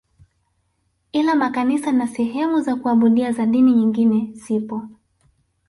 Ila makanisa na sehemu za kuabudia za dini nyingine zipo